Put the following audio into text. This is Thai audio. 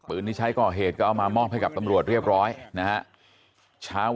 อันนี้คำต่ออ้างของผู้ก่อเหตุนะครับทุกผู้ชมครับ